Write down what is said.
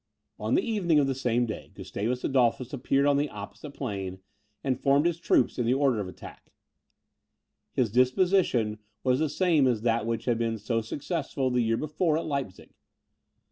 On the evening of the same day, Gustavus Adolphus appeared on the opposite plain, and formed his troops in the order of attack. His disposition was the same as that which had been so successful the year before at Leipzig.